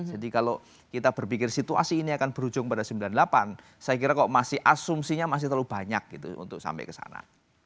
jadi kalau kita berpikir situasi ini akan berujung pada sembilan puluh delapan saya kira kok masih asumsinya masih terlalu banyak gitu untuk sampai ke sana